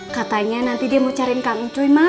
katanya nanti dia mau cariin kang ncuy mak